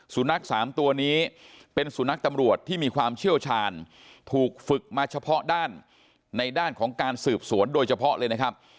สุนัขสามตัวนี้เป็นสุนัขตำรวจที่มีความเชี่ยวชาญถูกฝึกมาเฉพาะด้านในด้านของการสืบสวนโดยเฉพาะเลยนะครับ